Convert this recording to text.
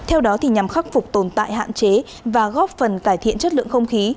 theo đó nhằm khắc phục tồn tại hạn chế và góp phần cải thiện chất lượng không khí